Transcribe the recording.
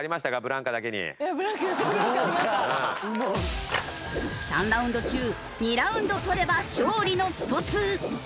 ３ラウンド中２ラウンド取れば勝利の『ストⅡ』。